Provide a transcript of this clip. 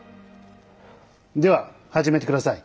では始めて下さい！